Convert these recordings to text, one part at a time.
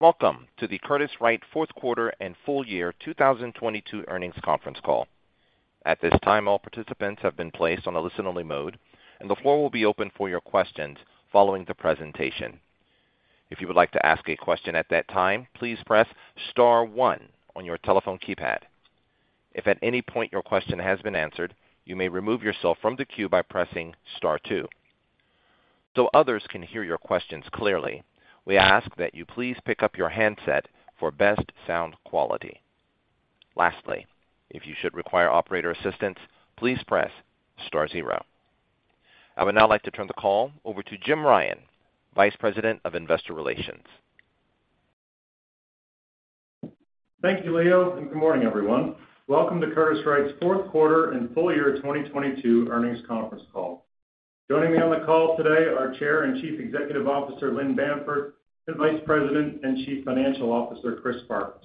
Welcome to the Curtiss-Wright fourth quarter and full year 2022 earnings conference call. At this time, all participants have been placed on a listen-only mode, and the floor will be open for your questions following the presentation. If you would like to ask a question at that time, please press star 1 on your telephone keypad. If at any point your question has been answered, you may remove yourself from the queue by pressing star two. Others can hear your questions clearly, we ask that you please pick up your handset for best sound quality. Lastly, if you should require operator assistance, please press star zero. I would now like to turn the call over to Jim Ryan, Vice President of Investor Relations. Thank you, Leo, and good morning, everyone. Welcome to Curtiss-Wright's fourth quarter and full year 2022 earnings conference call. Joining me on the call today, our Chair and Chief Executive Officer, Lynn Bamford, and Vice President and Chief Financial Officer, Chris Farkas.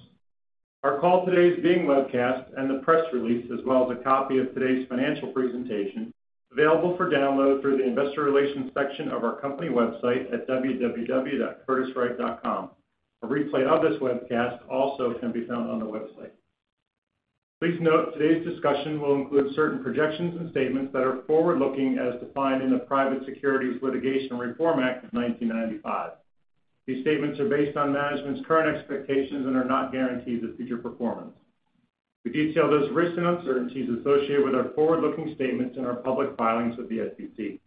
Our call today is being webcast and the press release as well as a copy of today's financial presentation available for download through the Investor Relations section of our company website at www.curtisswright.com. A replay of this webcast also can be found on the website. Please note today's discussion will include certain projections and statements that are forward-looking as defined in the Private Securities Litigation Reform Act of 1995. These statements are based on management's current expectations and are not guarantees of future performance. We detail those risks and uncertainties associated with our forward-looking statements in our public filings with the SEC.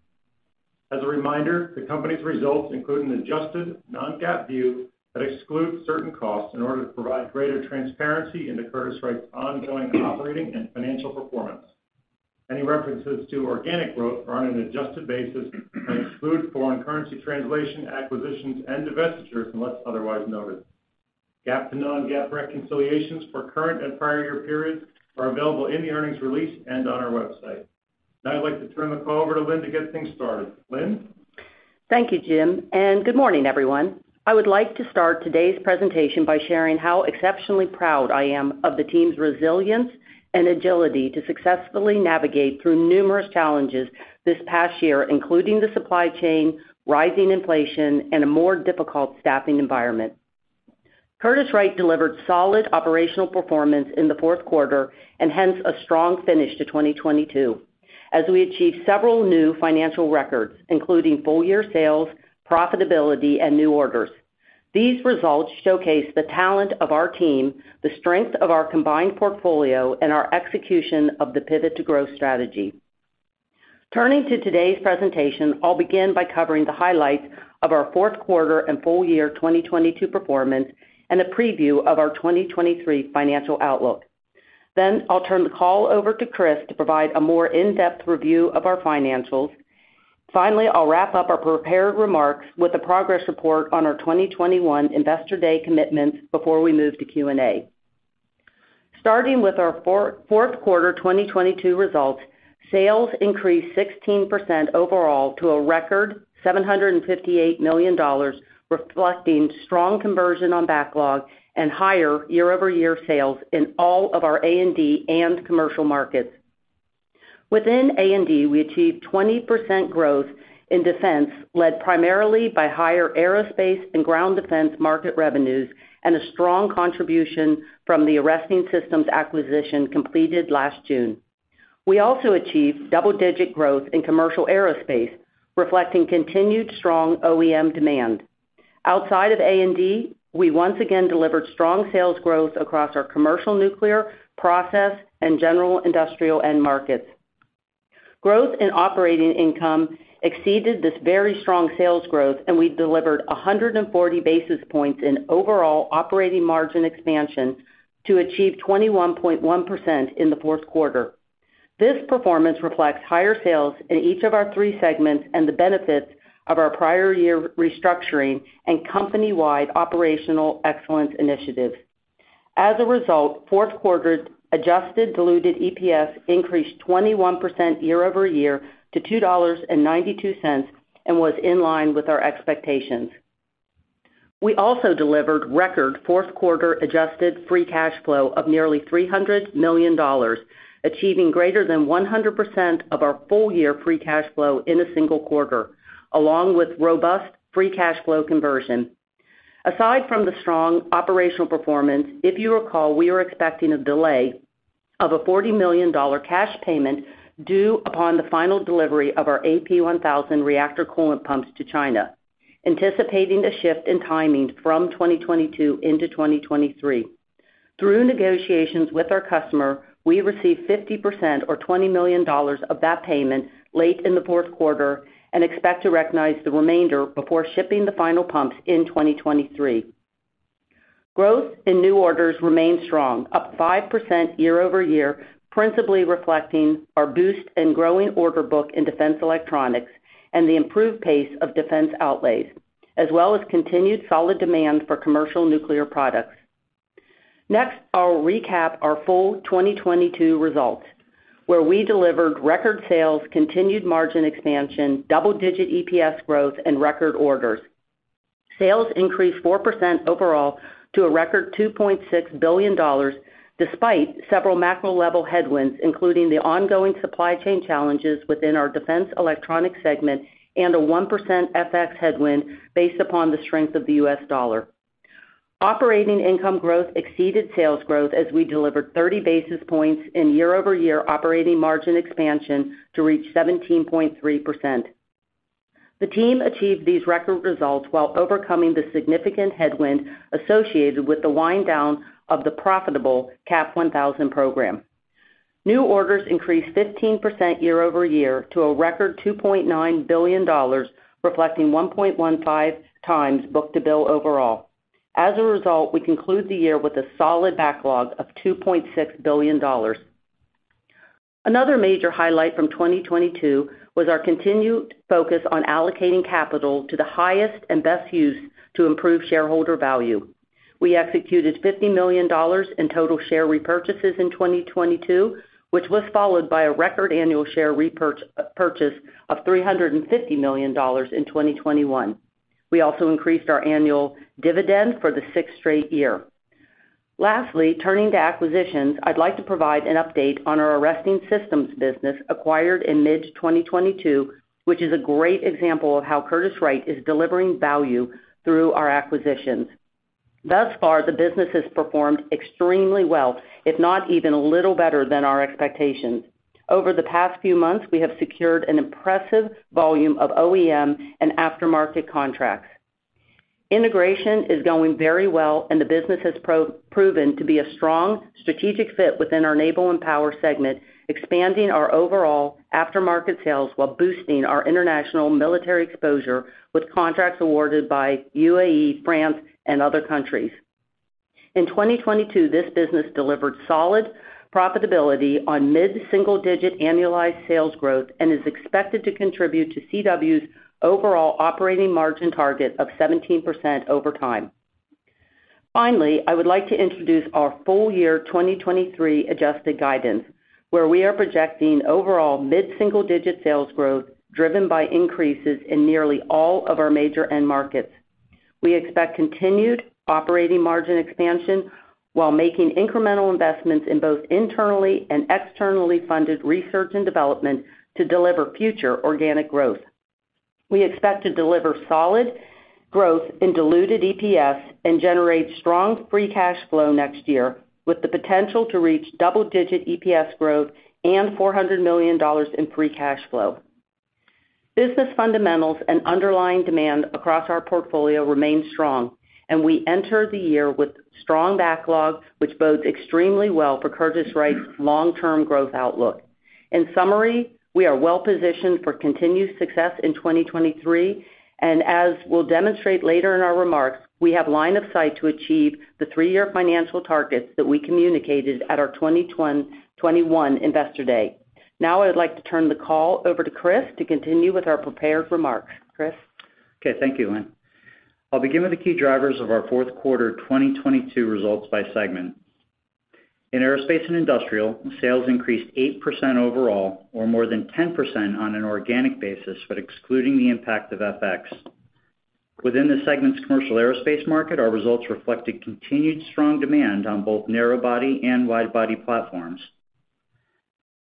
As a reminder, the company's results include an adjusted non-GAAP view that excludes certain costs in order to provide greater transparency into Curtiss-Wright's ongoing operating and financial performance. Any references to organic growth are on an adjusted basis and exclude foreign currency translation, acquisitions, and divestitures unless otherwise noted. GAAP to non-GAAP reconciliations for current and prior year periods are available in the earnings release and on our website. I'd like to turn the call over to Lynn to get things started. Lynn? Thank you, Jim. Good morning, everyone. I would like to start today's presentation by sharing how exceptionally proud I am of the team's resilience and agility to successfully navigate through numerous challenges this past year, including the supply chain, rising inflation, and a more difficult staffing environment. Curtiss-Wright delivered solid operational performance in the fourth quarter and hence a strong finish to 2022 as we achieved several new financial records, including full year sales, profitability, and new orders. These results showcase the talent of our team, the strength of our combined portfolio, and our execution of the Pivot to Growth strategy. Turning to today's presentation, I'll begin by covering the highlights of our fourth quarter and full year 2022 performance and a preview of our 2023 financial outlook. I'll turn the call over to Chris to provide a more in-depth review of our financials. I'll wrap up our prepared remarks with a progress report on our 2021 Investor Day commitments before we move to Q&A. Starting with our fourth quarter 2022 results, sales increased 16% overall to a record $758 million, reflecting strong conversion on backlog and higher year-over-year sales in all of our A&D and commercial markets. Within A&D, we achieved 20% growth in defense, led primarily by higher aerospace and ground defense market revenues and a strong contribution from the Arresting Systems acquisition completed last June. We also achieved double-digit growth in commercial aerospace, reflecting continued strong OEM demand. Outside of A&D, we once again delivered strong sales growth across our commercial nuclear, process, and general industrial end markets. Growth in operating income exceeded this very strong sales growth, and we delivered 140 basis points in overall operating margin expansion to achieve 21.1% in the fourth quarter. This performance reflects higher sales in each of our three segments and the benefits of our prior year restructuring and company-wide operational excellence initiatives. As a result, fourth quarter adjusted diluted EPS increased 21% year-over-year to $2.92 and was in line with our expectations. We also delivered record fourth quarter adjusted free cash flow of nearly $300 million, achieving greater than 100% of our full year free cash flow in a single quarter, along with robust free cash flow conversion. Aside from the strong operational performance, if you recall, we were expecting a delay of a $40 million cash payment due upon the final delivery of our AP1000 reactor coolant pumps to China, anticipating a shift in timing from 2022 into 2023. Through negotiations with our customer, we received 50% or $20 million of that payment late in the fourth quarter and expect to recognize the remainder before shipping the final pumps in 2023. Growth in new orders remained strong, up 5% year-over-year, principally reflecting our boost and growing order book in Defense Electronics and the improved pace of Defense outlays, as well as continued solid demand for commercial nuclear products. I'll recap our full 2022 results, where we delivered record sales, continued margin expansion, double-digit EPS growth, and record orders. Sales increased 4% overall to a record $2.6 billion, despite several macro-level headwinds, including the ongoing supply chain challenges within our Defense Electronics segment and a 1% FX headwind based upon the strength of the U.S. dollar. Operating income growth exceeded sales growth as we delivered 30 basis points in year-over-year operating margin expansion to reach 17.3%. The team achieved these record results while overcoming the significant headwind associated with the wind down of the profitable CAP1000 program. New orders increased 15% year-over-year to a record $2.9 billion, reflecting 1.15 times book-to-bill overall. We conclude the year with a solid backlog of $2.6 billion. Another major highlight from 2022 was our continued focus on allocating capital to the highest and best use to improve shareholder value. We executed $50 million in total share repurchases in 2022, which was followed by a record annual share repurchase of $350 million in 2021. We also increased our annual dividend for the sixth straight year. Lastly, turning to acquisitions, I'd like to provide an update on our Arresting Systems business acquired in mid-2022, which is a great example of how Curtiss-Wright is delivering value through our acquisitions. Thus far, the business has performed extremely well, if not even a little better than our expectations. Over the past few months, we have secured an impressive volume of OEM and aftermarket contracts. Integration is going very well, and the business has proven to be a strong strategic fit within our Naval & Power segment, expanding our overall aftermarket sales while boosting our international military exposure with contracts awarded by UAE, France, and other countries. In 2022, this business delivered solid profitability on mid-single-digit annualized sales growth and is expected to contribute to CW's overall operating margin target of 17% over time. I would like to introduce our full year 2023 adjusted guidance, where we are projecting overall mid-single-digit sales growth driven by increases in nearly all of our major end markets. We expect continued operating margin expansion while making incremental investments in both internally and externally funded research and development to deliver future organic growth. We expect to deliver solid growth in diluted EPS and generate strong free cash flow next year with the potential to reach double-digit EPS growth and $400 million in free cash flow. Business fundamentals and underlying demand across our portfolio remain strong, we enter the year with strong backlogs, which bodes extremely well for Curtiss-Wright's long-term growth outlook. In summary, we are well-positioned for continued success in 2023. As we'll demonstrate later in our remarks, we have line of sight to achieve the three-year financial targets that we communicated at our 2021 Investor Day. I'd like to turn the call over to Chris to continue with our prepared remarks. Chris? Okay. Thank you, Lynn. I'll begin with the key drivers of our fourth quarter 2022 results by segment. In Aerospace & Industrial, sales increased 8% overall or more than 10% on an organic basis, excluding the impact of FX. Within the segment's commercial aerospace market, our results reflected continued strong demand on both narrow body and wide body platforms.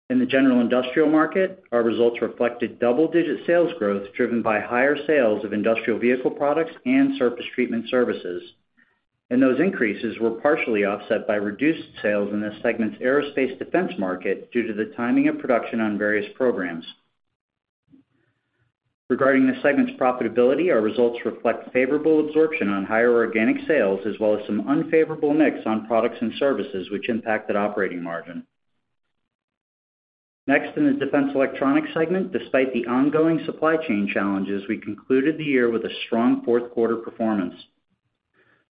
In the general industrial market, our results reflected double-digit sales growth, driven by higher sales of industrial vehicle products and surface treatment services. Those increases were partially offset by reduced sales in this segment's aerospace defense market due to the timing of production on various programs. Regarding the segment's profitability, our results reflect favorable absorption on higher organic sales as well as some unfavorable mix on products and services which impacted operating margin. In the Defense Electronics segment, despite the ongoing supply chain challenges, we concluded the year with a strong fourth quarter performance.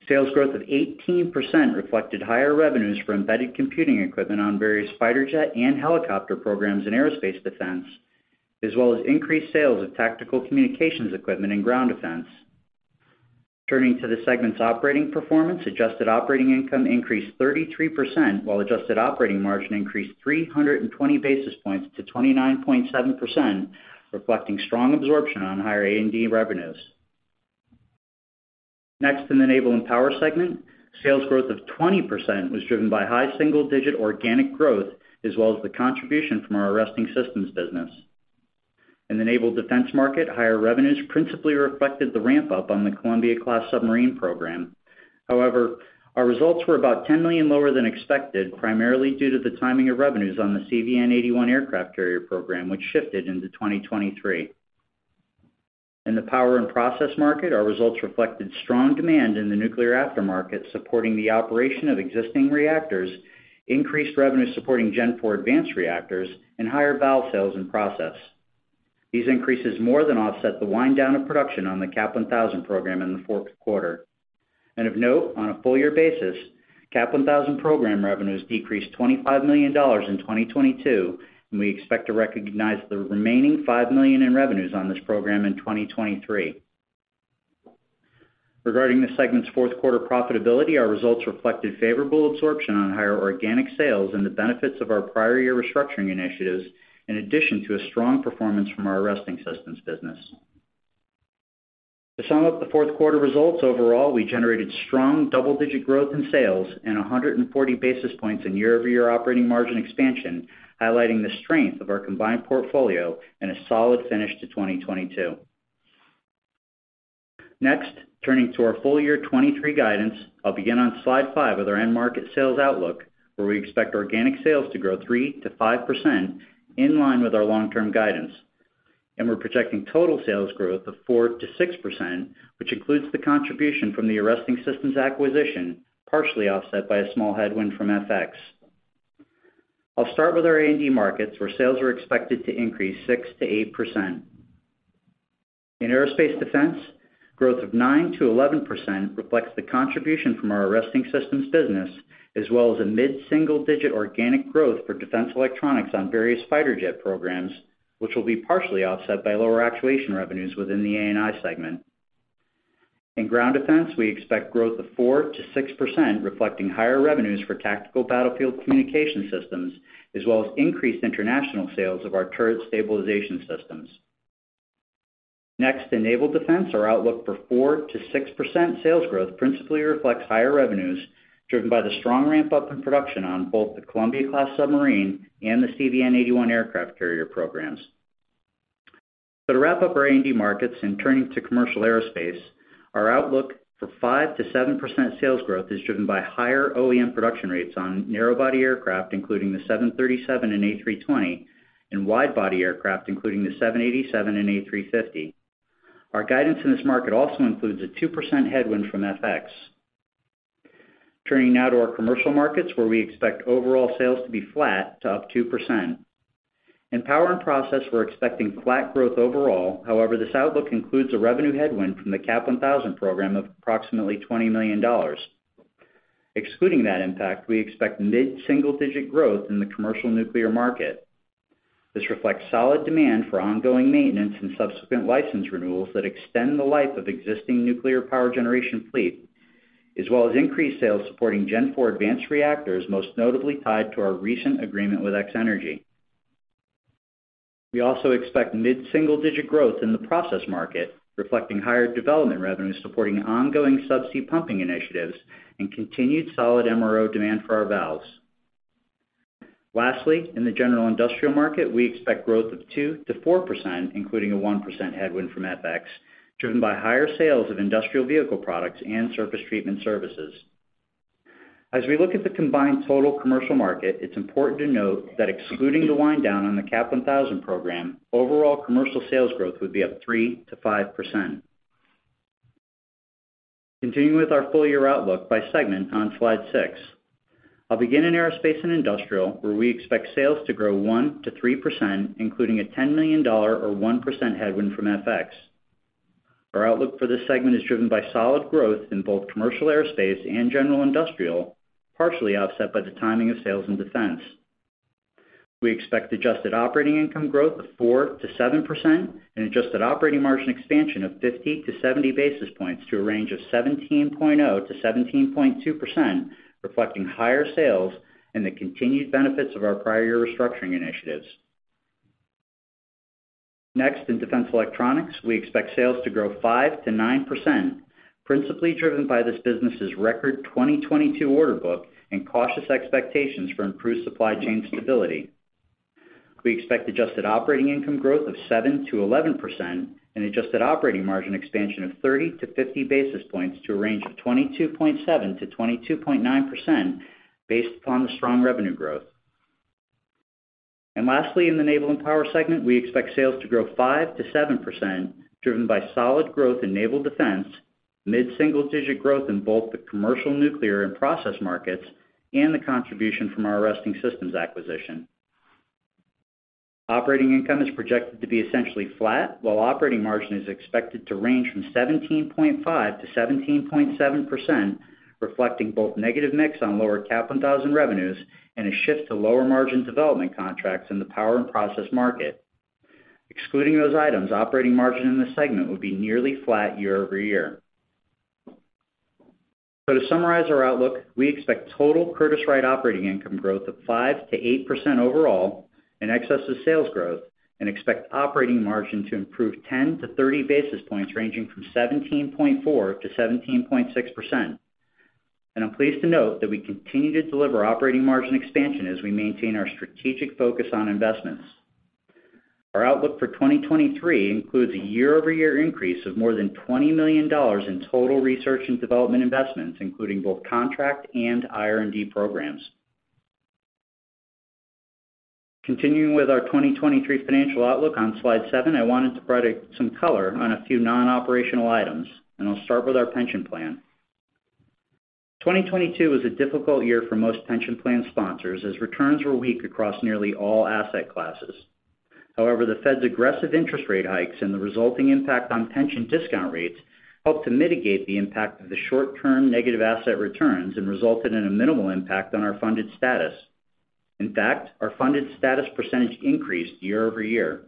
Sales growth of 18% reflected higher revenues for embedded computing equipment on various fighter jet and helicopter programs in Aerospace & Defense, as well as increased sales of tactical communications equipment and ground defense. Turning to the segment's operating performance, adjusted operating income increased 33%, while adjusted operating margin increased 320 basis points to 29.7%, reflecting strong absorption on higher A&D revenues. In the Naval & Power segment, sales growth of 20% was driven by high single digit organic growth as well as the contribution from our Arresting Systems business. In the Naval Defense market, higher revenues principally reflected the ramp-up on the Columbia-class submarine program. However, our results were about $10 million lower than expected, primarily due to the timing of revenues on the CVN-81 aircraft carrier program, which shifted into 2023. In the Power and Process market, our results reflected strong demand in the nuclear aftermarket, supporting the operation of existing reactors, increased revenue supporting Gen IV advanced reactors, and higher valve sales in process. These increases more than offset the wind down of production on the CAP1000 program in the fourth quarter. Of note, on a full year basis, CAP1000 program revenues decreased $25 million in 2022, and we expect to recognize the remaining $5 million in revenues on this program in 2023. Regarding the segment's fourth quarter profitability, our results reflected favorable absorption on higher organic sales and the benefits of our prior year restructuring initiatives, in addition to a strong performance from our Arresting Systems business. To sum up the fourth quarter results overall, we generated strong double-digit growth in sales and 140 basis points in year-over-year operating margin expansion, highlighting the strength of our combined portfolio and a solid finish to 2022. Next, turning to our FY23 guidance. I'll begin on slide five with our end market sales outlook, where we expect organic sales to grow 3%-5% in line with our long-term guidance. We're projecting total sales growth of 4%-6%, which includes the contribution from the Arresting Systems acquisition, partially offset by a small headwind from FX. I'll start with our A&D markets, where sales are expected to increase 6%-8%. In aerospace defense, growth of 9%-11% reflects the contribution from our Arresting Systems business, as well as a mid-single digit organic growth for Defense Electronics on various fighter jet programs, which will be partially offset by lower actuation revenues within the A&I segment. In ground defense, we expect growth of 4%-6%, reflecting higher revenues for tactical battlefield communication systems, as well as increased international sales of our turret stabilization systems. Next, in naval defense, our outlook for 4%-6% sales growth principally reflects higher revenues, driven by the strong ramp-up in production on both the Columbia-class submarine and the CVN-81 aircraft carrier programs. To wrap up our A&D markets and turning to commercial aerospace, our outlook for 5%-7% sales growth is driven by higher OEM production rates on narrow body aircraft, including the 737 and A320, and wide body aircraft, including the 787 and A350. Our guidance in this market also includes a 2% headwind from FX. Turning now to our commercial markets, where we expect overall sales to be flat to up 2%. In power and process, we're expecting flat growth overall. However, this outlook includes a revenue headwind from the CAP1000 program of approximately $20 million. Excluding that impact, we expect mid-single digit growth in the commercial nuclear market. This reflects solid demand for ongoing maintenance and subsequent license renewals that extend the life of existing nuclear power generation fleet, as well as increased sales supporting Gen IV advanced reactors, most notably tied to our recent agreement with X-energy. We also expect mid-single digit growth in the process market, reflecting higher development revenues, supporting ongoing subsea pumping initiatives and continued solid MRO demand for our valves. Lastly, in the general industrial market, we expect growth of 2%-4%, including a 1% headwind from FX, driven by higher sales of industrial vehicle products and surface treatment services. We look at the combined total commercial market, it's important to note that excluding the wind down on the CAP1000 program, overall commercial sales growth would be up 3%-5%. Continuing with our full year outlook by segment on slide six. I'll begin in Aerospace & Industrial, where we expect sales to grow 1%-3%, including a $10 million or 1% headwind from FX. Our outlook for this segment is driven by solid growth in both commercial aerospace and general industrial, partially offset by the timing of sales in defense. We expect adjusted operating income growth of 4%-7% and adjusted operating margin expansion of 50-70 basis points to a range of 17.0%-17.2%, reflecting higher sales and the continued benefits of our prior year restructuring initiatives. In Defense Electronics, we expect sales to grow 5%-9%, principally driven by this business's record 2022 order book and cautious expectations for improved supply chain stability. We expect adjusted operating income growth of 7%-11% and adjusted operating margin expansion of 30 to 50 basis points to a range of 22.7%-22.9% based upon the strong revenue growth. Lastly, in the Naval & Power segment, we expect sales to grow 5%-7%, driven by solid growth in naval defense, mid-single digit growth in both the commercial nuclear and process markets, and the contribution from our Arresting Systems acquisition. Operating income is projected to be essentially flat, while operating margin is expected to range from 17.5%-17.7%, reflecting both negative mix on lower CAP1000 revenues and a shift to lower margin development contracts in the power and process market. Excluding those items, operating margin in this segment will be nearly flat year-over-year. To summarize our outlook, we expect total Curtiss-Wright operating income growth of 5%-8% overall in excess of sales growth and expect operating margin to improve 10-30 basis points, ranging from 17.4%-17.6%. I'm pleased to note that we continue to deliver operating margin expansion as we maintain our strategic focus on investments. Our outlook for 2023 includes a year-over-year increase of more than $20 million in total research and development investments, including both contract and IR&D programs. Continuing with our 2023 financial outlook on slide seven, I wanted to provide some color on a few non-operational items, I'll start with our pension plan. 2022 was a difficult year for most pension plan sponsors as returns were weak across nearly all asset classes. However, the Fed's aggressive interest rate hikes and the resulting impact on pension discount rates helped to mitigate the impact of the short-term negative asset returns and resulted in a minimal impact on our funded status. In fact, our funded status percentage increased year-over-year.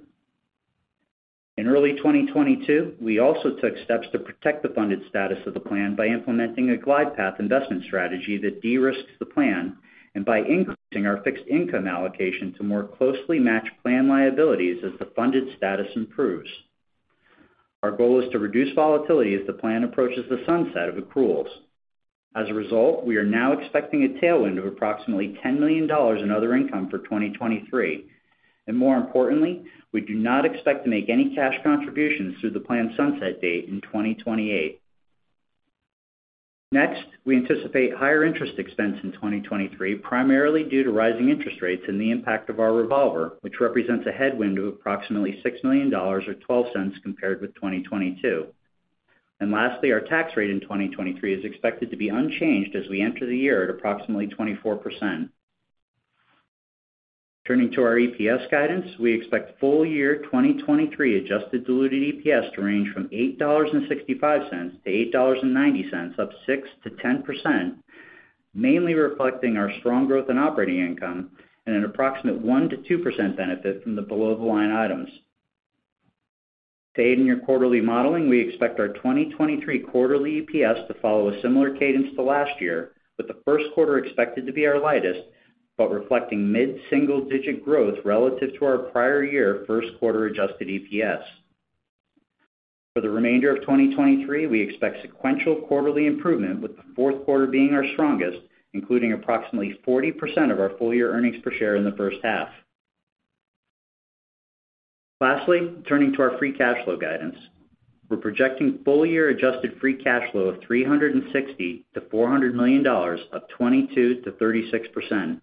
In early 2022, we also took steps to protect the funded status of the plan by implementing a glide path investment strategy that de-risks the plan and by increasing our fixed income allocation to more closely match plan liabilities as the funded status improves. Our goal is to reduce volatility as the plan approaches the sunset of accruals. As a result, we are now expecting a tailwind of approximately $10 million in other income for 2023. More importantly, we do not expect to make any cash contributions through the planned sunset date in 2028. Next, we anticipate higher interest expense in 2023, primarily due to rising interest rates and the impact of our revolver, which represents a headwind of approximately $6 million or $0.12 compared with 2022. Lastly, our tax rate in 2023 is expected to be unchanged as we enter the year at approximately 24%. Turning to our EPS guidance, we expect full year 2023 adjusted diluted EPS to range from $8.65-$8.90, up 6%-10%, mainly reflecting our strong growth in operating income and an approximate 1%-2% benefit from the below-the-line items. To aid in your quarterly modeling, we expect our 2023 quarterly EPS to follow a similar cadence to last year, with the first quarter expected to be our lightest, but reflecting mid-single-digit growth relative to our prior year first quarter adjusted EPS. For the remainder of 2023, we expect sequential quarterly improvement, with the fourth quarter being our strongest, including approximately 40% of our full-year earnings per share in the first half. Lastly, turning to our free cash flow guidance. We're projecting full-year adjusted free cash flow of $360 million-$400 million, up 22%-36%.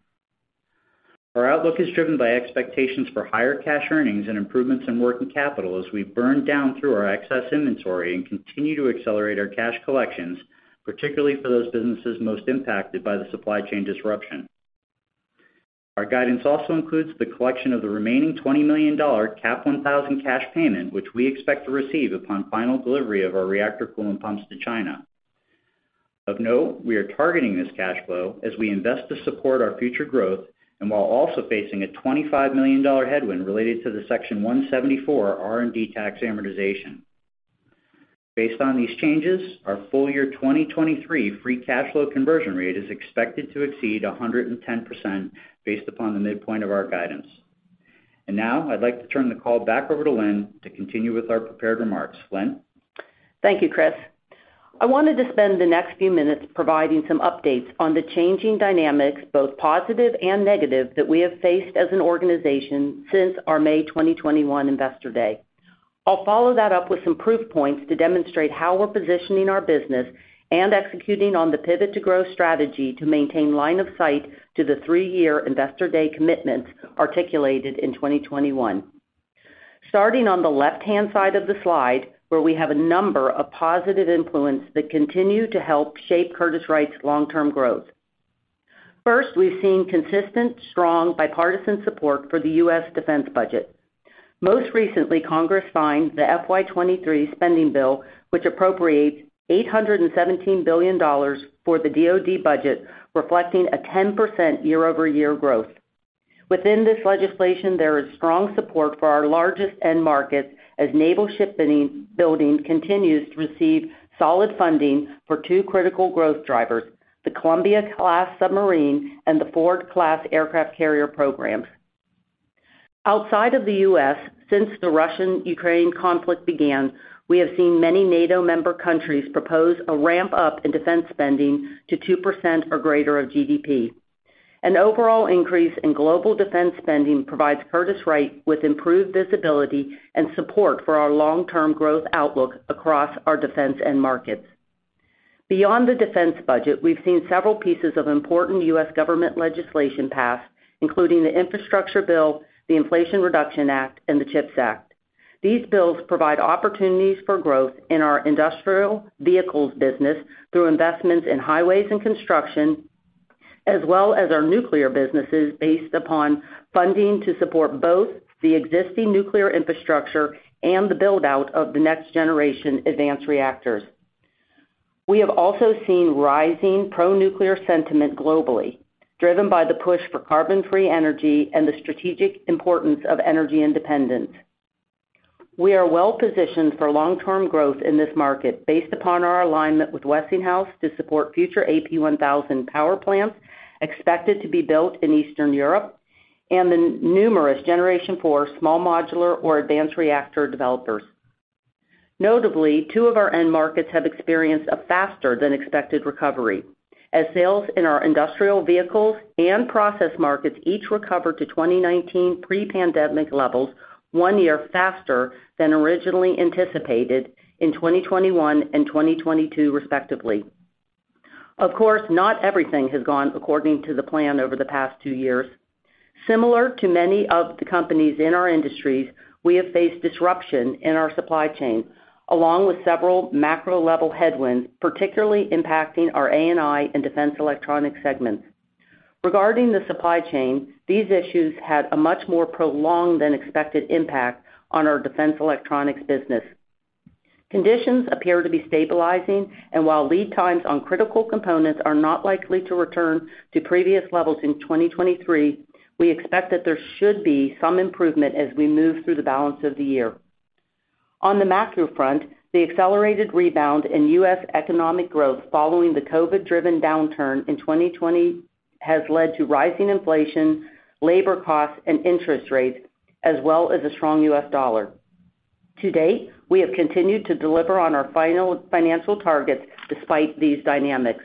Our outlook is driven by expectations for higher cash earnings and improvements in working capital as we burn down through our excess inventory and continue to accelerate our cash collections, particularly for those businesses most impacted by the supply chain disruption. Our guidance also includes the collection of the remaining $20 million CAP1000 cash payment, which we expect to receive upon final delivery of our reactor cooling pumps to China. Of note, we are targeting this cash flow as we invest to support our future growth while also facing a $25 million headwind related to the Section 174 R&D tax amortization. Based on these changes, our full-year 2023 free cash flow conversion rate is expected to exceed 110% based upon the midpoint of our guidance. Now, I'd like to turn the call back over to Lynn to continue with our prepared remarks. Lynn? Thank you, Chris. I wanted to spend the next few minutes providing some updates on the changing dynamics, both positive and negative, that we have faced as an organization since our May 2021 Investor Day. I'll follow that up with some proof points to demonstrate how we're positioning our business and executing on the Pivot to Growth strategy to maintain line of sight to the three-year Investor Day commitments articulated in 2021. Starting on the left-hand side of the slide, where we have a number of positive influence that continue to help shape Curtiss-Wright's long-term growth. First, we've seen consistent, strong bipartisan support for the U.S. defense budget. Most recently, Congress signed the FY2023 spending bill, which appropriates $817 billion for the DoD budget, reflecting a 10% year-over-year growth. Within this legislation, there is strong support for our largest end markets as naval shipbuilding continues to receive solid funding for two critical growth drivers: the Columbia-class submarine and the Ford-class aircraft carrier programs. Outside of the U.S., since the Russian-Ukraine conflict began, we have seen many NATO member countries propose a ramp-up in defense spending to 2% or greater of GDP. An overall increase in global defense spending provides Curtiss-Wright with improved visibility and support for our long-term growth outlook across our defense end markets. Beyond the defense budget, we've seen several pieces of important U.S. government legislation passed, including the infrastructure bill, the Inflation Reduction Act, and the CHIPS Act. These bills provide opportunities for growth in our industrial vehicles business through investments in highways and construction, as well as our nuclear businesses based upon funding to support both the existing nuclear infrastructure and the build-out of the next-generation advanced reactors. We have also seen rising pro-nuclear sentiment globally, driven by the push for carbon-free energy and the strategic importance of energy independence. We are well-positioned for long-term growth in this market based upon our alignment with Westinghouse to support future AP1000 power plants expected to be built in Eastern Europe and the numerous Gen IV small modular or advanced reactor developers. Notably, two of our end markets have experienced a faster-than-expected recovery, as sales in our industrial vehicles and process markets each recovered to 2019 pre-pandemic levels one year faster than originally anticipated in 2021 and 2022, respectively. Of course, not everything has gone according to the plan over the past two years. Similar to many of the companies in our industries, we have faced disruption in our supply chain, along with several macro-level headwinds, particularly impacting our A&I and Defense Electronics segments. Regarding the supply chain, these issues had a much more prolonged than expected impact on our Defense Electronics business. Conditions appear to be stabilizing, and while lead times on critical components are not likely to return to previous levels in 2023, we expect that there should be some improvement as we move through the balance of the year. On the macro front, the accelerated rebound in U.S. economic growth following the COVID-driven downturn in 2020 has led to rising inflation, labor costs, and interest rates, as well as a strong U.S. dollar. To date, we have continued to deliver on our financial targets despite these dynamics.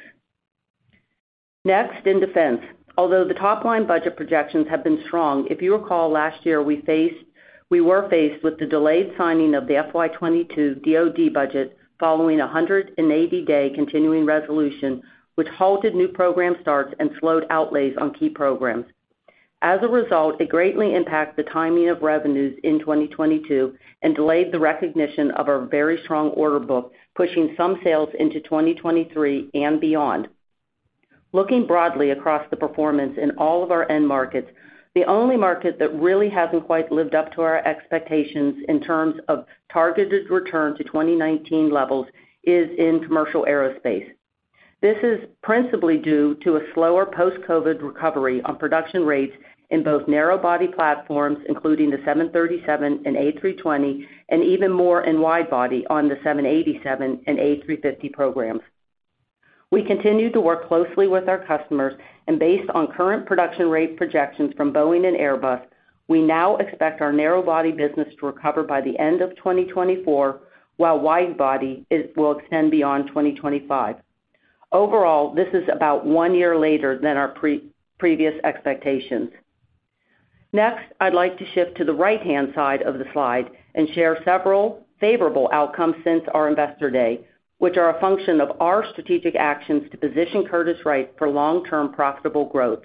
In defense. Although the top-line budget projections have been strong, if you recall last year, we were faced with the delayed signing of the FY2022 DoD budget following a 180-day continuing resolution, which halted new program starts and slowed outlays on key programs. It greatly impacted the timing of revenues in 2022 and delayed the recognition of our very strong order book, pushing some sales into 2023 and beyond. Looking broadly across the performance in all of our end markets, the only market that really hasn't quite lived up to our expectations in terms of targeted return to 2019 levels is in commercial aerospace. This is principally due to a slower post-COVID recovery on production rates in both narrow-body platforms, including the 737 and A320, and even more in wide-body on the 787 and A350 programs. We continue to work closely with our customers, based on current production rate projections from Boeing and Airbus, we now expect our narrow-body business to recover by the end of 2024, while wide-body will extend beyond 2025. Overall, this is about 1 year later than our pre-previous expectations. I'd like to shift to the right-hand side of the slide and share several favorable outcomes since our Investor Day, which are a function of our strategic actions to position Curtiss-Wright for long-term profitable growth.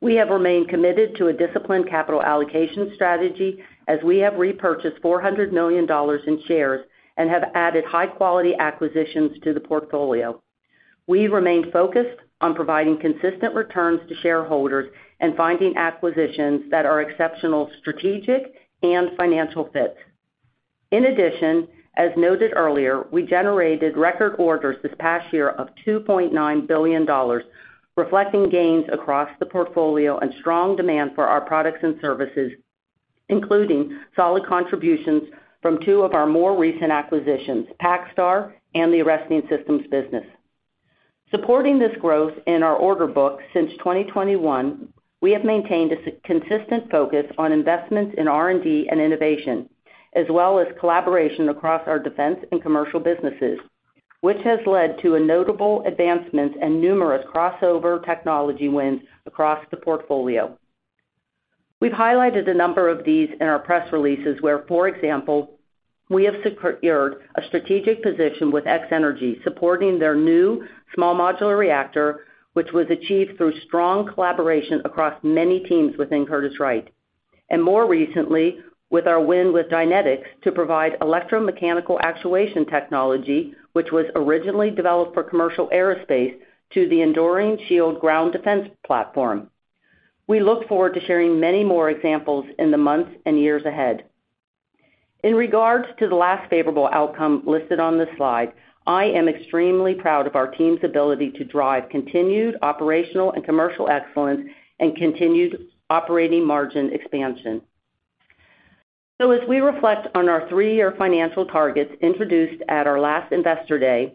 We have remained committed to a disciplined capital allocation strategy as we have repurchased $400 million in shares and have added high-quality acquisitions to the portfolio. We remain focused on providing consistent returns to shareholders and finding acquisitions that are exceptional strategic and financial fits. As noted earlier, we generated record orders this past year of $2.9 billion, reflecting gains across the portfolio and strong demand for our products and services, including solid contributions from two of our more recent acquisitions, PacStar and the Arresting Systems business. Supporting this growth in our order book since 2021, we have maintained a consistent focus on investments in R&D and innovation, as well as collaboration across our defense and commercial businesses, which has led to a notable advancements and numerous crossover technology wins across the portfolio. We've highlighted a number of these in our press releases where, for example, we have secured a strategic position with X-energy, supporting their new small modular reactor, which was achieved through strong collaboration across many teams within Curtiss-Wright. More recently, with our win with Dynetics to provide electromechanical actuation technology, which was originally developed for commercial aerospace to the Enduring Shield ground defense platform. We look forward to sharing many more examples in the months and years ahead. In regards to the last favorable outcome listed on this slide, I am extremely proud of our team's ability to drive continued operational and commercial excellence and continued operating margin expansion. As we reflect on our 3-year financial targets introduced at our last Investor Day,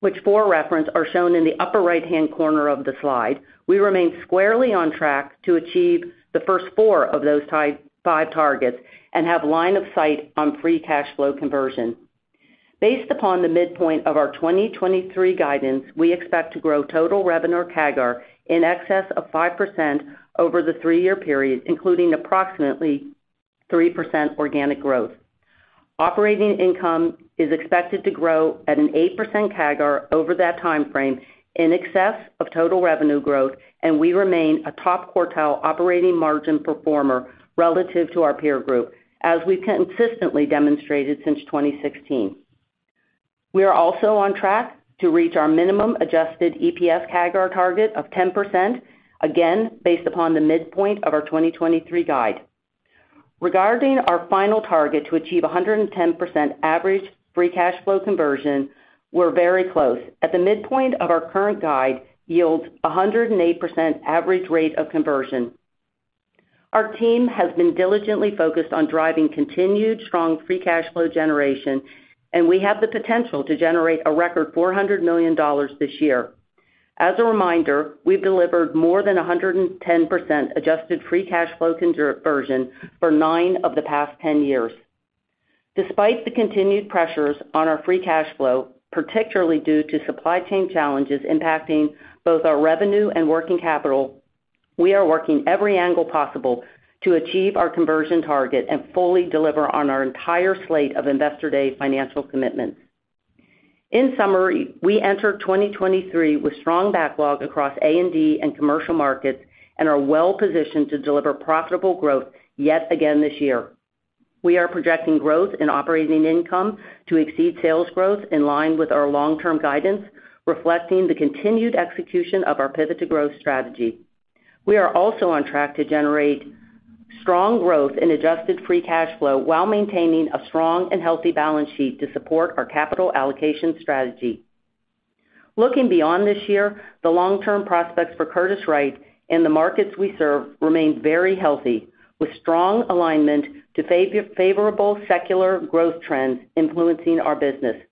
which for reference are shown in the upper right-hand corner of the slide, we remain squarely on track to achieve the first four of those five targets and have line of sight on free cash flow conversion. Based upon the midpoint of our 2023 guidance, we expect to grow total revenue CAGR in excess of 5% over the three-year period, including approximately 3% organic growth. Operating income is expected to grow at an 8% CAGR over that timeframe in excess of total revenue growth, and we remain a top quartile operating margin performer relative to our peer group, as we've consistently demonstrated since 2016. We are also on track to reach our minimum adjusted EPS CAGR target of 10%, again based upon the midpoint of our 2023 guide. Regarding our final target to achieve 110% average free cash flow conversion, we're very close. At the midpoint of our current guide yields 108% average rate of conversion. Our team has been diligently focused on driving continued strong free cash flow generation. We have the potential to generate a record $400 million this year. As a reminder, we've delivered more than 110% adjusted free cash flow conversion for nine of the past 10 years. Despite the continued pressures on our free cash flow, particularly due to supply chain challenges impacting both our revenue and working capital, we are working every angle possible to achieve our conversion target and fully deliver on our entire slate of Investor Day financial commitments. In summary, we enter 2023 with strong backlog across A&D and commercial markets and are well-positioned to deliver profitable growth yet again this year. We are projecting growth in operating income to exceed sales growth in line with our long-term guidance, reflecting the continued execution of our Pivot to Growth strategy. We are also on track to generate strong growth in adjusted free cash flow while maintaining a strong and healthy balance sheet to support our capital allocation strategy. Looking beyond this year, the long-term prospects for Curtiss-Wright and the markets we serve remain very healthy, with strong alignment to favorable secular growth trends influencing our business.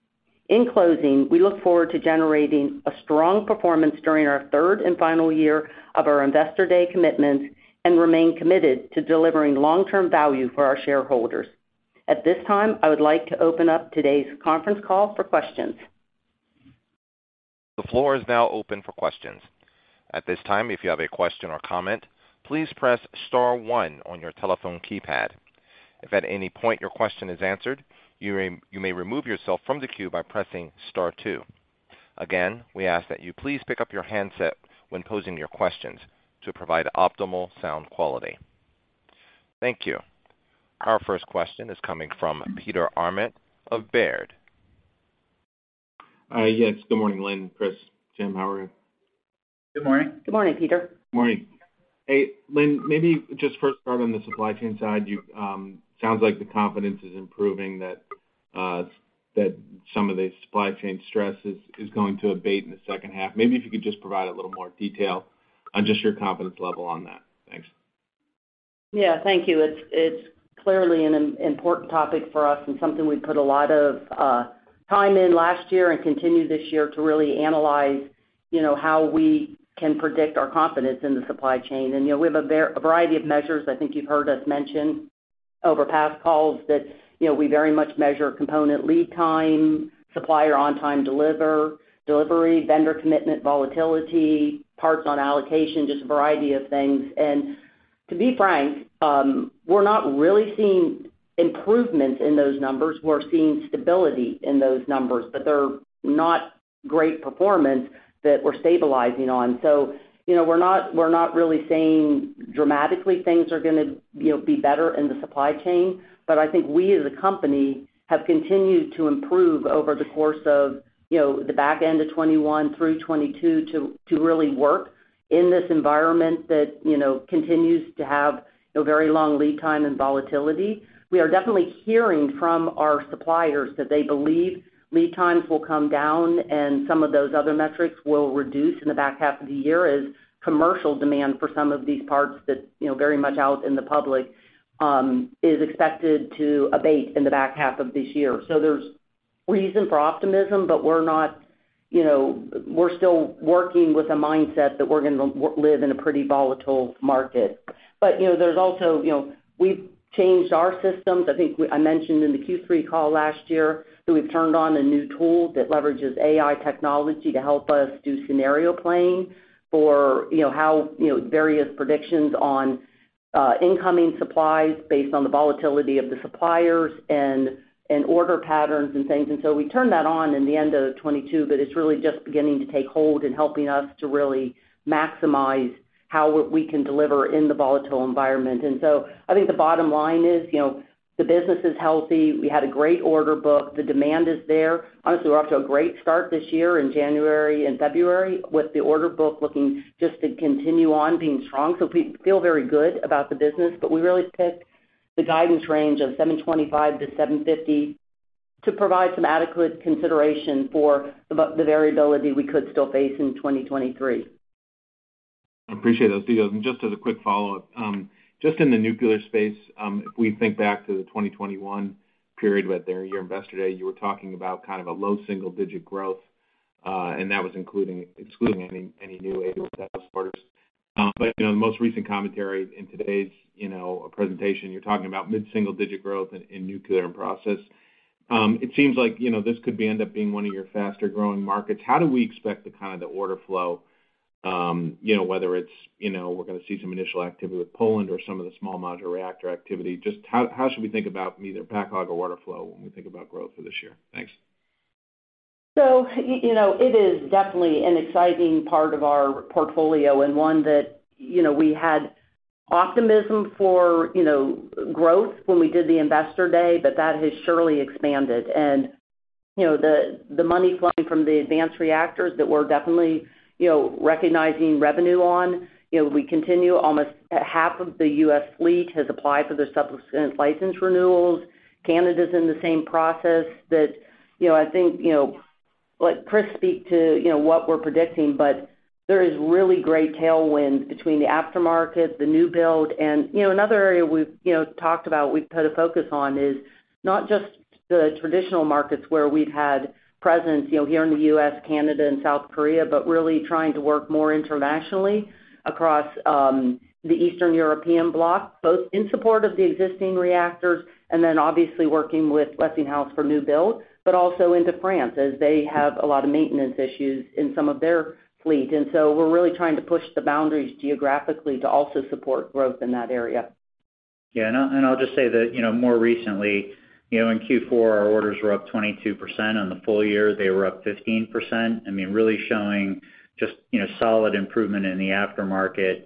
In closing, we look forward to generating a strong performance during our third and final year of our Investor Day commitments, and remain committed to delivering long-term value for our shareholders. At this time, I would like to open up today's conference call for questions. The floor is now open for questions. At this time, if you have a question or comment, please press star one on your telephone keypad. If at any point your question is answered, you may remove yourself from the queue by pressing star two. Again, we ask that you please pick up your handset when posing your questions to provide optimal sound quality. Thank you. Our first question is coming from Peter Arment of Baird. Yes. Good morning, Lynn, Chris, Jim, how are you? Good morning. Good morning, Peter. Good morning. Hey, Lynn, maybe just first start on the supply chain side. Sounds like the confidence is improving that some of the supply chain stress is going to abate in the second half. Maybe if you could just provide a little more detail on just your confidence level on that. Thanks. Yeah, thank you. It's clearly an important topic for us and something we put a lot of time in last year and continue this year to really analyze, you know, how we can predict our confidence in the supply chain. You know, we have a variety of measures. I think you've heard us mention over past calls that, you know, we very much measure component lead time, supplier on-time delivery, vendor commitment volatility, parts on allocation, just a variety of things. To be frank, we're not really seeing improvements in those numbers. We're seeing stability in those numbers, but they're not great performance that we're stabilizing on. You know, we're not really saying dramatically things are gonna, you know, be better in the supply chain. I think we as a company have continued to improve over the course of, you know, the back end of 2021 through 2022 to really work in this environment that, you know, continues to have a very long lead time and volatility. We are definitely hearing from our suppliers that they believe lead times will come down, and some of those other metrics will reduce in the back half of the year as commercial demand for some of these parts that, you know, very much out in the public is expected to abate in the back half of this year. There's reason for optimism, but we're not, you know, we're still working with a mindset that we're gonna live in a pretty volatile market. You know, there's also, you know, we've changed our systems. I think I mentioned in the Q3 call last year that we've turned on a new tool that leverages AI technology to help us do scenario planning for, you know, how, you know, various predictions on incoming supplies based on the volatility of the suppliers and order patterns and things. We turned that on in the end of 2022, it's really just beginning to take hold in helping us to really maximize how we can deliver in the volatile environment. I think the bottom line is, you know, the business is healthy. We had a great order book. The demand is there. Honestly, we're off to a great start this year in January and February with the order book looking just to continue on being strong. We feel very good about the business, but we really picked the guidance range of $7.25-$7.50 to provide some adequate consideration for the variability we could still face in 2023. I appreciate those details. Just as a quick follow-up, just in the nuclear space, if we think back to the 2021 period with your Investor Day, you were talking about kind of a low single-digit growth, and that was excluding any new AEOK status orders. But, you know, the most recent commentary in today's, you know, presentation, you're talking about mid-single digit growth in nuclear and process. It seems like, you know, this could be end up being one of your faster-growing markets. How do we expect the kind of the order flow, you know, whether it's, you know, we're gonna see some initial activity with Poland or some of the small modular reactor activity? Just how should we think about either backlog or order flow when we think about growth for this year? Thanks. You know, it is definitely an exciting part of our portfolio and one that, you know, we had optimism for, you know, growth when we did the Investor Day, but that has surely expanded. You know, the money flowing from the advanced reactors that we're definitely, you know, recognizing revenue on, you know, we continue almost half of the U.S. fleet has applied for their subsequent license renewals. Canada's in the same process that, you know, I think, you know, let Chris speak to, you know, what we're predicting, but there is really great tailwind between the aftermarket, the new build. You know, another area we've, you know, talked about, we've put a focus on is not just the traditional markets where we've had presence, you know, here in the U.S., Canada and South Korea, but really trying to work more internationally across the Eastern European bloc, both in support of the existing reactors and then obviously working with Westinghouse for new build, but also into France as they have a lot of maintenance issues in some of their fleet. We're really trying to push the boundaries geographically to also support growth in that area. Yeah. I'll just say that, you know, more recently, you know, in Q4, our orders were up 22%. On the full year, they were up 15%. I mean, really showing just, you know, solid improvement in the aftermarket,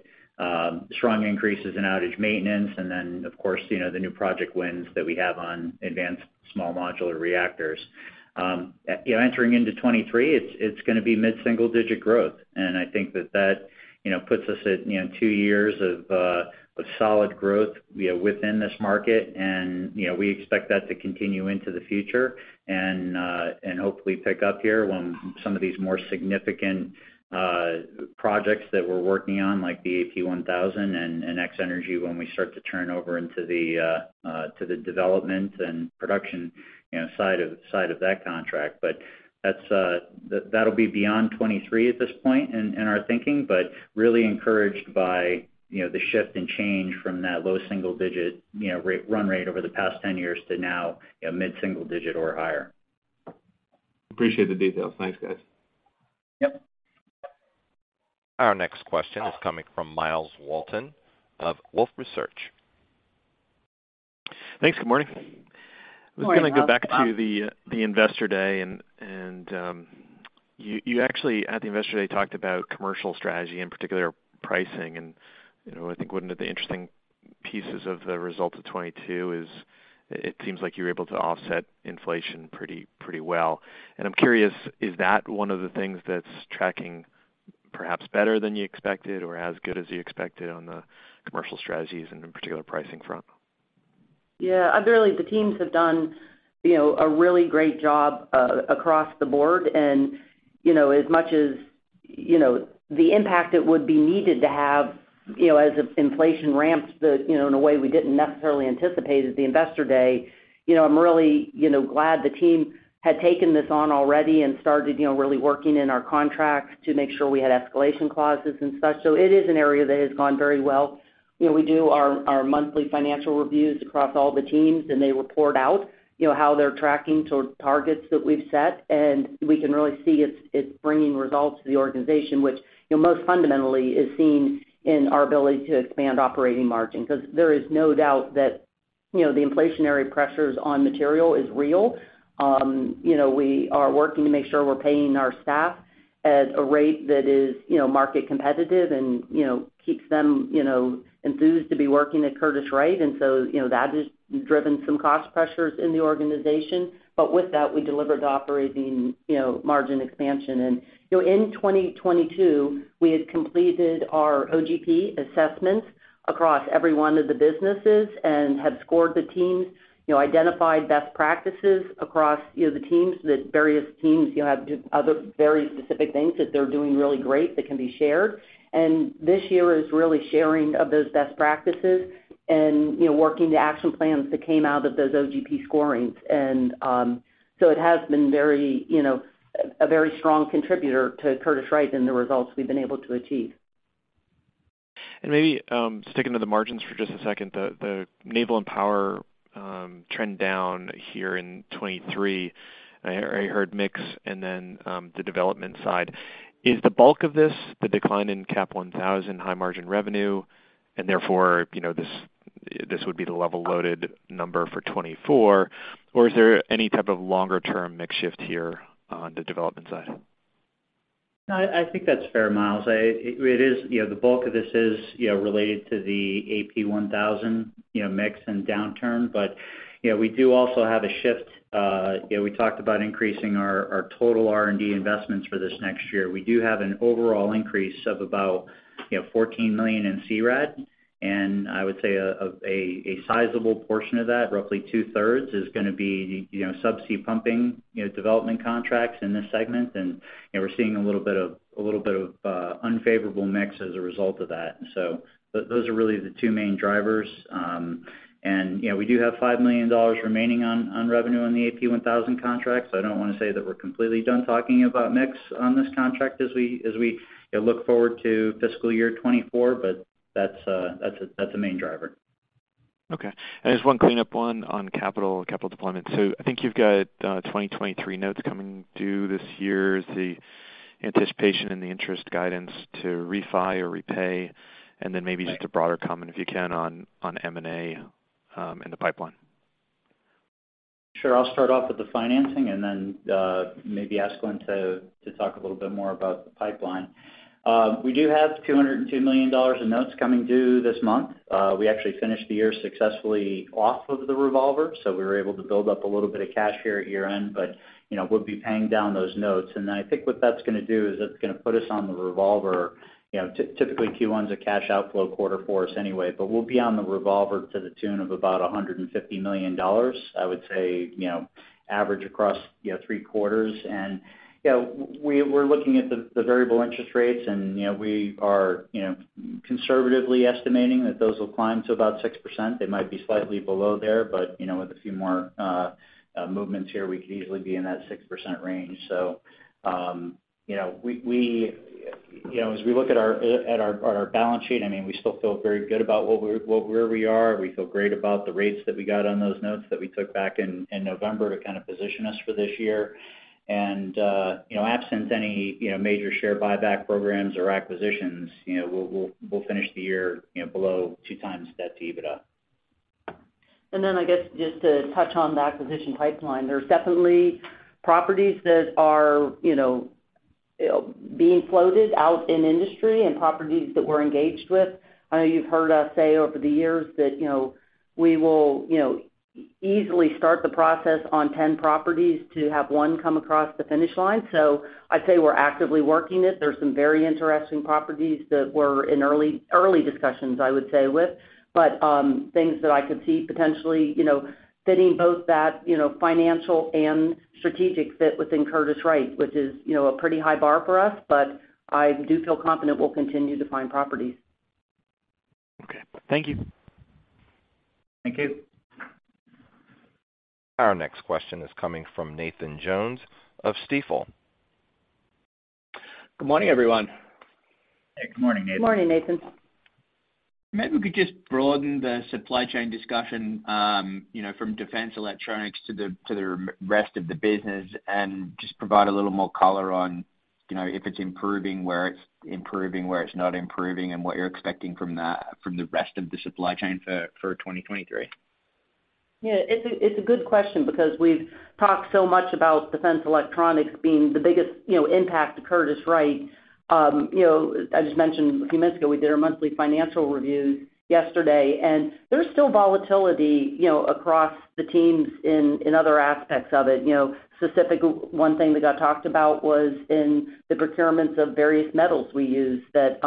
strong increases in outage maintenance, of course, you know, the new project wins that we have on advanced small modular reactors. You know, entering into 2023, it's gonna be mid-single digit growth, I think that that, you know, puts us at, you know, 2 years of solid growth, you know, within this market. You know, we expect that to continue into the future and hopefully pick up here when some of these more significant, projects that we're working on, like the AP1000 and X-energy, when we start to turn over into the, to the development and production, you know, side of, side of that contract. That's, that'll be beyond 2023 at this point in our thinking, but really encouraged by, you know, the shift and change from that low single-digit, you know, run rate over the past 10 years to now, you know, mid-single-digit or higher. Appreciate the details. Thanks, guys. Yep. Our next question is coming from Myles Walton of Wolfe Research. Thanks. Good morning. Good morning, Myles. Was gonna go back to the Investor Day and you actually at the Investor Day talked about commercial strategy, in particular pricing. You know, I think one of the interesting pieces of the results of 2022 is it seems like you were able to offset inflation pretty well. I'm curious, is that one of the things that's tracking perhaps better than you expected or as good as you expected on the commercial strategies and in particular pricing front? Yeah. Really, the teams have done, you know, a really great job across the board. You know, as much as, you know, the impact that would be needed to have, you know, as inflation ramps the, you know, in a way we didn't necessarily anticipate at the Investor Day, you know, I'm really, you know, glad the team had taken this on already and started, you know, really working in our contracts to make sure we had escalation clauses and such. It is an area that has gone very well. You know, we do our monthly financial reviews across all the teams, and they report out, you know, how they're tracking towards targets that we've set. We can really see it's bringing results to the organization, which, you know, most fundamentally is seen in our ability to expand operating margin. Because there is no doubt that, you know, the inflationary pressures on material is real. You know, we are working to make sure we're paying our staff at a rate that is, you know, market competitive and, you know, keeps them, you know, enthused to be working at Curtiss-Wright. So, you know, that has driven some cost pressures in the organization. With that, we delivered operating, you know, margin expansion. You know, in 2022, we had completed our OGP assessments across every one of the businesses and had scored the teams, you know, identified best practices across, you know, the teams that various teams, you know, have other very specific things that they're doing really great that can be shared. This year is really sharing of those best practices and, you know, working the action plans that came out of those OGP scorings. It has been very, you know, a very strong contributor to Curtiss-Wright and the results we've been able to achieve. Maybe, sticking to the margins for just a second. The Naval & Power trend down here in 2023. I heard mix and then the development side. Is the bulk of this the decline in CAP1000 high margin revenue and therefore, you know, this would be the level loaded number for 2024? Or is there any type of longer term mix shift here on the development side? I think that's fair, Miles. It is, you know, the bulk of this is, you know, related to the AP1000, you know, mix and downturn. You know, we do also have a shift. You know, we talked about increasing our total R&D investments for this next year. We do have an overall increase of about, you know, $14 million in CRAD. I would say a sizable portion of that, roughly two-thirds, is gonna be, you know, subsea pumping, you know, development contracts in this segment. You know, we're seeing a little bit of unfavorable mix as a result of that. Those are really the two main drivers. You know, we do have $5 million remaining on revenue in the AP1000 contract. I don't wanna say that we're completely done talking about mix on this contract as we, you know, look forward to fiscal year 2024, but that's a main driver. Okay. Just one cleanup one on capital deployment. I think you've got 2023 notes coming due this year. Is the anticipation and the interest guidance to refi or repay? Then maybe just a broader comment, if you can, on M&A in the pipeline. Sure. I'll start off with the financing and then, maybe ask Lynn to talk a little bit more about the pipeline. We do have $202 million in notes coming due this month. We actually finished the year successfully off of the revolver, so we were able to build up a little bit of cash here at year-end. You know, we'll be paying down those notes. Then I think what that's gonna do is that's gonna put us on the revolver. You know, typically Q1 is a cash outflow quarter for us anyway, but we'll be on the revolver to the tune of about $150 million, I would say, you know, average across, you know, three quarters. You know, we're looking at the variable interest rates and, you know, we are, you know, conservatively estimating that those will climb to about 6%. They might be slightly below there, you know, with a few more movements here, we could easily be in that 6% range. You know, we, you know, as we look at our balance sheet, I mean, we still feel very good about where we are. We feel great about the rates that we got on those notes that we took back in November to kind of position us for this year. You know, absent any, you know, major share buyback programs or acquisitions, you know, we'll finish the year, you know, below 2x debt to EBITDA. I guess just to touch on the acquisition pipeline. There's definitely properties that are, you know, being floated out in industry and properties that we're engaged with. I know you've heard us say over the years that, you know, we will, you know, easily start the process on 10 properties to have one come across the finish line. I'd say we're actively working it. There's some very interesting properties that we're in early discussions, I would say, with. Things that I could see potentially, you know, fitting both that, you know, financial and strategic fit within Curtiss-Wright, which is, you know, a pretty high bar for us. I do feel confident we'll continue to find properties. Okay. Thank you. Thank you. Our next question is coming from Nathan Jones of Stifel. Good morning, everyone. Good morning, Nathan. Good morning, Nathan. Maybe we could just broaden the supply chain discussion, you know, from Defense Electronics to the rest of the business and just provide a little more color on, you know, if it's improving, where it's improving, where it's not improving, and what you're expecting from the rest of the supply chain for 2023. Yeah, it's a, it's a good question because we've talked so much about Defense Electronics being the biggest, you know, impact to Curtiss-Wright. You know, as I just mentioned a few minutes ago, we did our monthly financial review yesterday, and there's still volatility, you know, across the teams in other aspects of it. You know, specific one thing that got talked about was in the procurements of various metals we use that,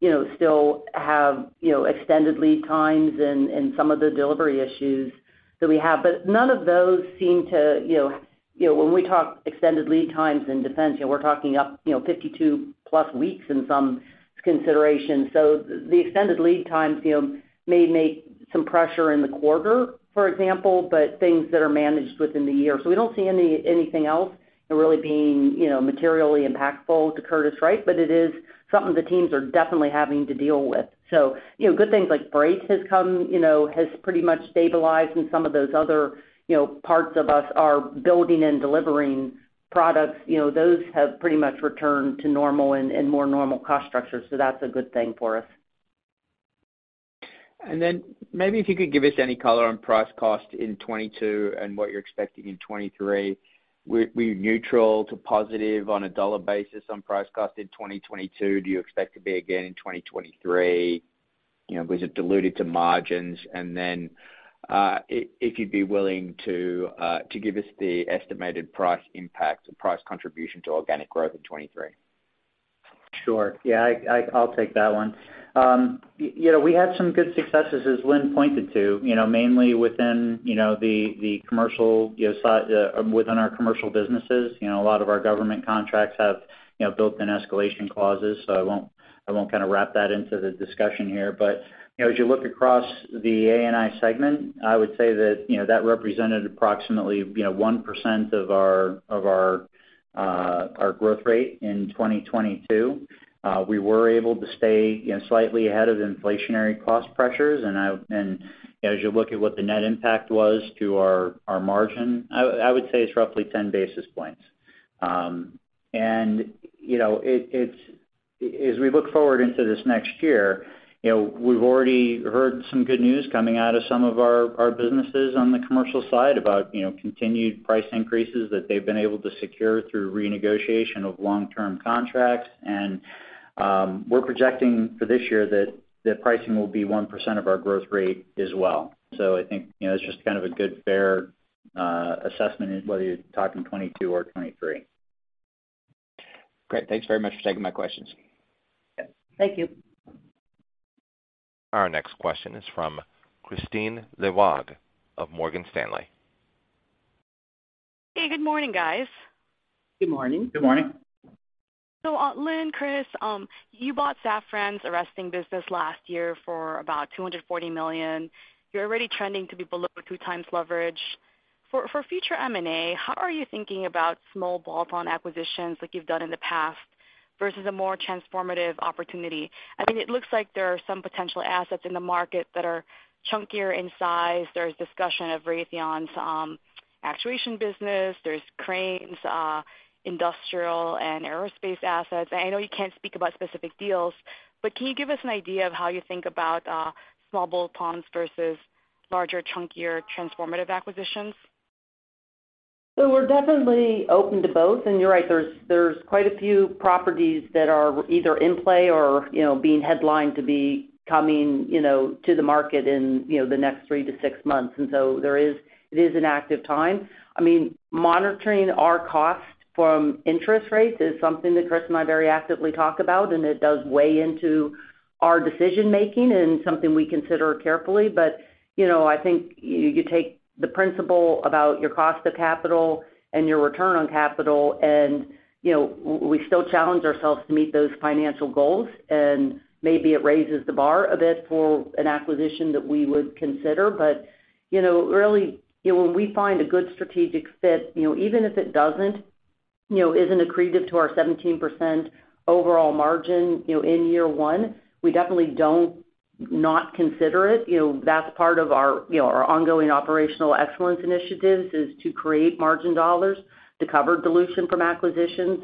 you know, still have, you know, extended lead times and some of the delivery issues that we have. None of those seem to, you know, when we talk extended lead times in defense, you know, we're talking up, you know, 52+ weeks in some considerations. The extended lead times, you know, may make some pressure in the quarter, for example, but things that are managed within the year. We don't see anything else really being, you know, materially impactful to Curtiss-Wright, but it is something the teams are definitely having to deal with. You know, good things like brakes has pretty much stabilized and some of those other, you know, parts of us are building and delivering products, you know, those have pretty much returned to normal and more normal cost structures, so that's a good thing for us. Maybe if you could give us any color on price cost in 2022 and what you're expecting in 2023. We're neutral to positive on a $ basis on price cost in 2022. Do you expect to be again in 2023? You know, was it diluted to margins? If you'd be willing to give us the estimated price impact, the price contribution to organic growth in 2023. Sure. Yeah, I'll take that one. You know, we had some good successes, as Lynn pointed to, you know, mainly within, you know, the commercial side, within our commercial businesses. You know, a lot of our government contracts have, you know, built-in escalation clauses, so I won't kind of wrap that into the discussion here. You know, as you look across the A&I segment, I would say that, you know, that represented approximately, you know, 1% of our growth rate in 2022. We were able to stay, you know, slightly ahead of inflationary cost pressures. As you look at what the net impact was to our margin, I would say it's roughly 10 basis points. You know, as we look forward into this next year, you know, we've already heard some good news coming out of some of our businesses on the commercial side about, you know, continued price increases that they've been able to secure through renegotiation of long-term contracts. We're projecting for this year that the pricing will be 1% of our growth rate as well. I think, you know, it's just kind of a good, fair assessment whether you're talking 2022 or 2023. Great. Thanks very much for taking my questions. Okay. Thank you. Our next question is from Kristine Liwag of Morgan Stanley. Hey, good morning, guys. Good morning. Good morning. Lynn, Chris, you bought Safran's arresting business last year for about $240 million. You're already trending to be below 2 times leverage. For future M&A, how are you thinking about small bolt-on acquisitions like you've done in the past versus a more transformative opportunity? I mean, it looks like there are some potential assets in the market that are chunkier in size. There's discussion of Raytheon's actuation business. There's Crane's industrial and aerospace assets. I know you can't speak about specific deals, but can you give us an idea of how you think about small bolt-ons versus larger, chunkier transformative acquisitions? We're definitely open to both. You're right, there's quite a few properties that are either in play or, you know, being headlined to be coming, you know, to the market in, you know, the next three to six months. There is, it is an active time. I mean, monitoring our cost from interest rates is something that Chris and I very actively talk about, and it does weigh into our decision-making and something we consider carefully. You know, I think you take the principle about your cost of capital and your return on capital and, you know, we still challenge ourselves to meet those financial goals. Maybe it raises the bar a bit for an acquisition that we would consider. You know, really, you know, when we find a good strategic fit, you know, even if it doesn't, you know, isn't accretive to our 17% overall margin, you know, in year one, we definitely don't not consider it. You know, that's part of our, you know, our ongoing operational excellence initiatives, is to create margin dollars to cover dilution from acquisitions.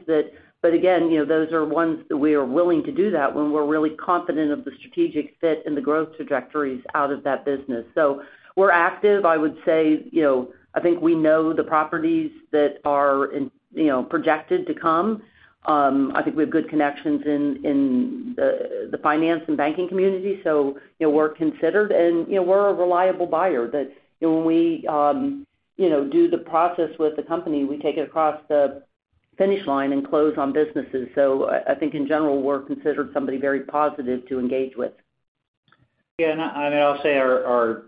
Again, you know, those are ones that we are willing to do that when we're really confident of the strategic fit and the growth trajectories out of that business. We're active. I would say, you know, I think we know the properties that are in, you know, projected to come. I think we have good connections in the finance and banking community, you know, we're considered. you know, we're a reliable buyer that, you know, when we, you know, do the process with the company, we take it across the finish line and close on businesses. I think in general, we're considered somebody very positive to engage with. I'll say our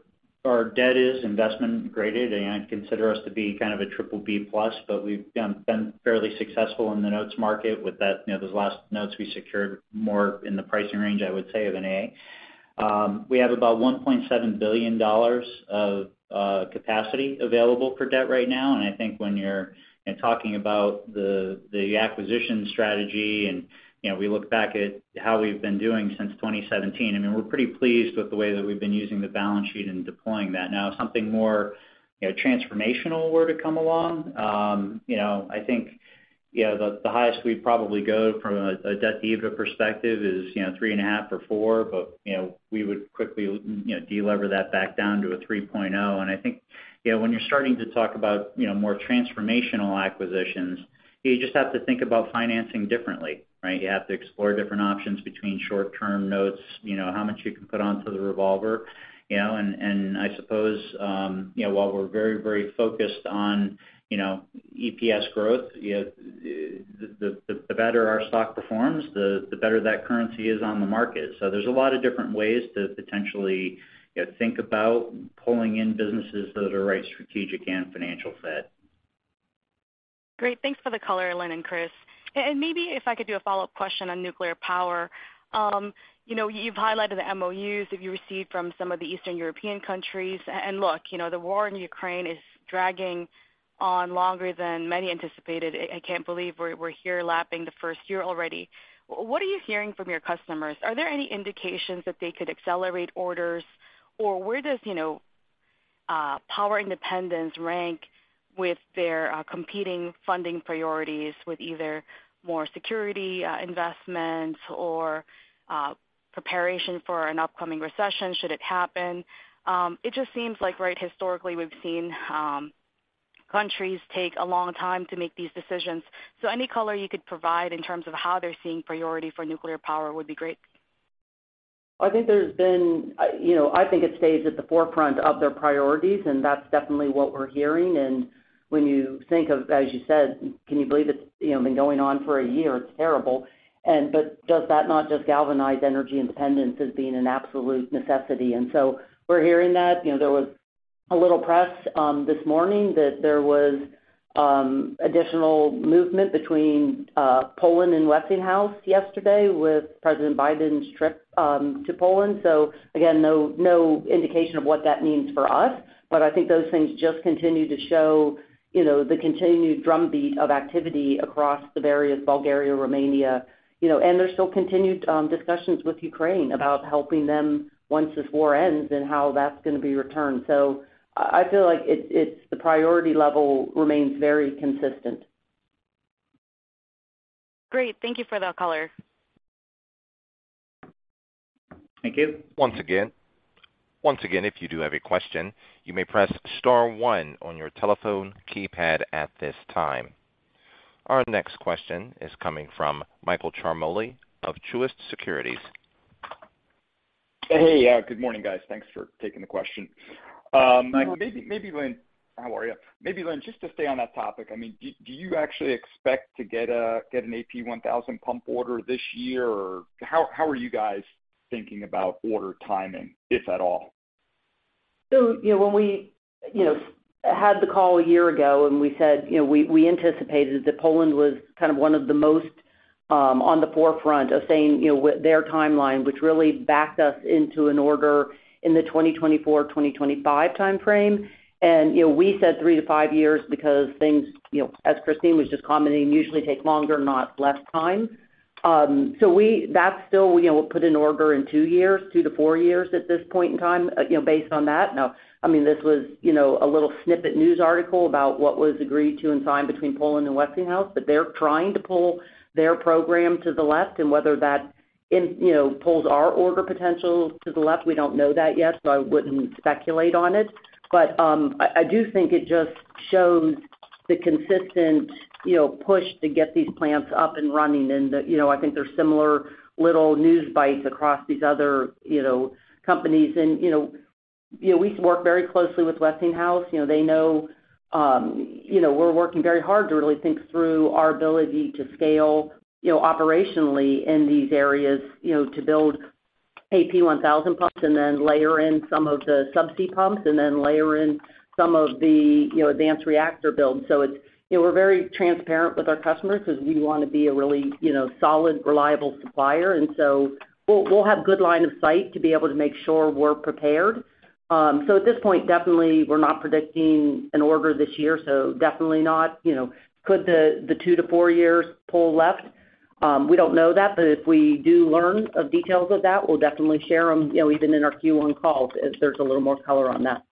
debt is investment-graded, and I consider us to be kind of a triple B plus, but we've been fairly successful in the notes market. With that, you know, those last notes we secured more in the pricing range, I would say, of an A. We have about $1.7 billion of capacity available for debt right now. I think when you're talking about the acquisition strategy, and, you know, we look back at how we've been doing since 2017, I mean, we're pretty pleased with the way that we've been using the balance sheet and deploying that. Now, if something more, you know, transformational were to come along, you know, I think, you know, the highest we'd probably go from a debt EBITDA perspective is, you know, 3.5 or four, but, you know, we would quickly, you know, de-lever that back down to a 3.0. I think, you know, when you're starting to talk about, you know, more transformational acquisitions, you just have to think about financing differently, right? You have to explore different options between short-term notes, you know, how much you can put onto the revolver, you know. I suppose, you know, while we're very, very focused on, you know, EPS growth, you know, the better our stock performs, the better that currency is on the market. There's a lot of different ways to potentially, you know, think about pulling in businesses that are right strategic and financial fit. Great. Thanks for the color, Lynn and Chris. maybe if I could do a follow-up question on nuclear power? you know, you've highlighted the MOUs that you received from some of the Eastern European countries. look, you know, the war in Ukraine is dragging on longer than many anticipated. I can't believe we're here lapping the first year already. What are you hearing from your customers? Are there any indications that they could accelerate orders? where does, you know, power independence rank with their competing funding priorities with either more security investments or preparation for an upcoming recession should it happen? it just seems like, right, historically, we've seen, countries take a long time to make these decisions. any color you could provide in terms of how they're seeing priority for nuclear power would be great. I think it stays at the forefront of their priorities, and that's definitely what we're hearing. When you think of, as you said, can you believe it's, you know, been going on for a year, it's terrible. Does that not just galvanize energy independence as being an absolute necessity? We're hearing that. You know, there was a little press this morning that there was additional movement between Poland and Westinghouse yesterday with President Biden's trip to Poland. Again, no indication of what that means for us. I think those things just continue to show, you know, the continued drumbeat of activity across the various Bulgaria, Romania. You know, there's still continued discussions with Ukraine about helping them once this war ends and how that's gonna be returned. I feel like it's the priority level remains very consistent. Great. Thank you for that color. Thank you. Once again, if you do have a question, you may press star one on your telephone keypad at this time. Our next question is coming from Michael Ciarmoli of Truist Securities. Hey. Yeah. Good morning, guys. Thanks for taking the question. maybe Lynn. How are you? Maybe Lynn, just to stay on that topic. I mean, do you actually expect to get an AP1000 pump order this year? How are you guys thinking about order timing, if at all? You know, when we, you know, had the call a year ago, we said, you know, we anticipated that Poland was kind of one of the most, on the forefront of saying, you know, with their timeline, which really backed us into an order in the 2024-2025 time frame. You know, we saidthree to five years because things, you know, as Kristine was just commenting, usually take longer, not less time. That's still, you know, we'll put an order in two years, two to four years at this point in time, you know, based on that. I mean, this was, you know, a little snippet news article about what was agreed to and signed between Poland and Westinghouse, but they're trying to pull their program to the left and whether that in, you know, pulls our order potential to the left, we don't know that yet, so I wouldn't speculate on it. I do think it just shows the consistent, you know, push to get these plants up and running. You know, I think there's similar little news bites across these other, you know, companies. You know, you know, we work very closely with Westinghouse. You know, they know, you know, we're working very hard to really think through our ability to scale, you know, operationally in these areas, you know, to build AP1000 pumps and then layer in some of the subsea pumps and then layer in some of the, you know, advanced reactor builds. It's, you know, we're very transparent with our customers because we wanna be a really, you know, solid, reliable supplier. We'll, we'll have good line of sight to be able to make sure we're prepared. At this point, definitely we're not predicting an order this year, so definitely not. You know, could the two to four years pull left? We don't know that, but if we do learn of details of that, we'll definitely share them, you know, even in our Q1 calls if there's a little more color on that.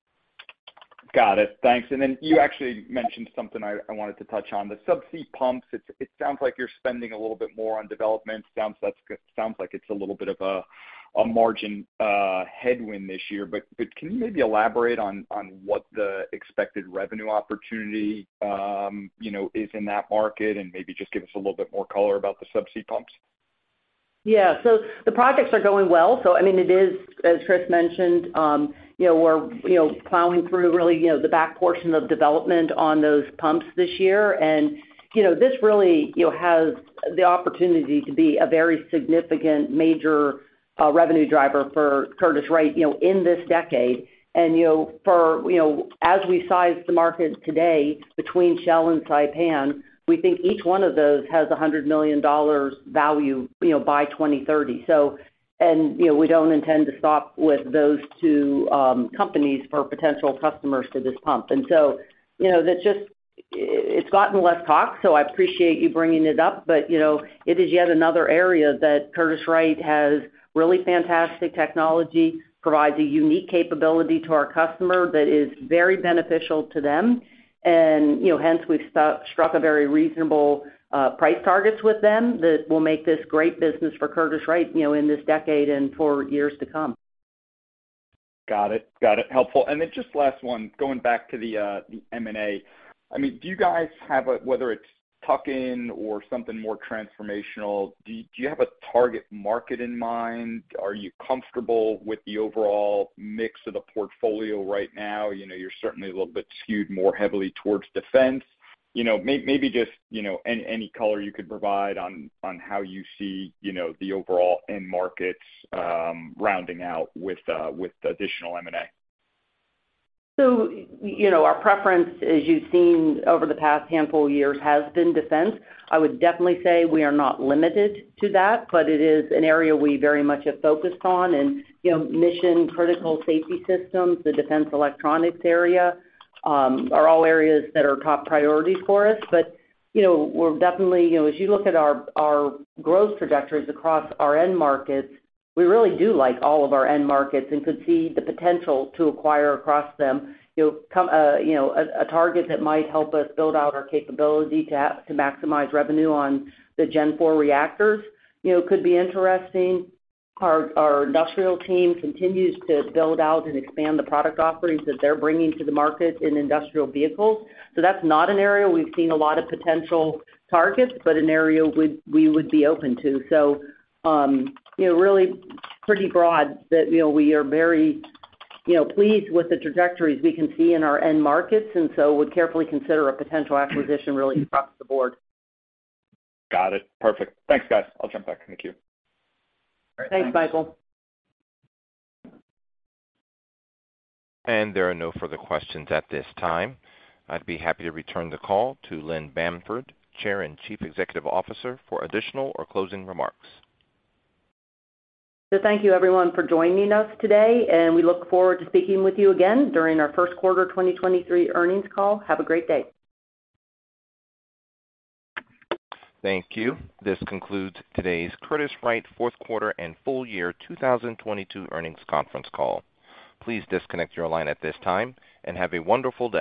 Got it. Thanks. Then you actually mentioned something I wanted to touch on, the subsea pumps. It sounds like you're spending a little bit more on development. Sounds like it's a little bit of a margin headwind this year. Can you maybe elaborate on what the expected revenue opportunity, you know, is in that market and maybe just give us a little bit more color about the subsea pumps? The projects are going well. I mean, it is, as Chris mentioned, we're plowing through really the back portion of development on those pumps this year. This really has the opportunity to be a very significant major revenue driver for Curtiss-Wright in this decade. For as we size the market today between Saipem and Saipan, we think each one of those has a $100 million value by 2030. We don't intend to stop with those two companies for potential customers to this pump. You know, that just, It gotten less talk, so I appreciate you bringing it up, but, you know, it is yet another area that Curtiss-Wright has really fantastic technology, provides a unique capability to our customer that is very beneficial to them. You know, hence we've struck a very reasonable price targets with them that will make this great business for Curtiss-Wright, you know, in this decade and for years to come. Got it. Got it. Helpful. Just last one, going back to the M&A. I mean, do you guys have whether it's tuck in or something more transformational, do you have a target market in mind? Are you comfortable with the overall mix of the portfolio right now? You know, you're certainly a little bit skewed more heavily towards defense. You know, maybe just, you know, any color you could provide on how you see, you know, the overall end markets, rounding out with additional M&A. You know, our preference, as you've seen over the past handful of years, has been defense. I would definitely say we are not limited to that, but it is an area we very much have focused on. You know, mission-critical safety systems, the Defense Electronics area, are all areas that are top priorities for us. You know, we're definitely, you know, as you look at our growth trajectories across our end markets, we really do like all of our end markets and could see the potential to acquire across them, you know, come, you know, a target that might help us build out our capability to maximize revenue on the Gen IV reactors, you know, could be interesting. Our Industrial team continues to build out and expand the product offerings that they're bringing to the market in industrial vehicles. That's not an area we've seen a lot of potential targets, but an area we would be open to. You know, really pretty broad that, you know, we are very, you know, pleased with the trajectories we can see in our end markets, would carefully consider a potential acquisition really across the board. Got it. Perfect. Thanks, guys. I'll jump back. Thank you. Thanks, Michael. There are no further questions at this time. I'd be happy to return the call to Lynn Bamford, Chair and Chief Executive Officer, for additional or closing remarks. Thank you everyone for joining us today, and we look forward to speaking with you again during our first quarter 2023 earnings call. Have a great day. Thank you. This concludes today's Curtiss-Wright fourth quarter and full year 2022 earnings conference call. Please disconnect your line at this time, and have a wonderful day.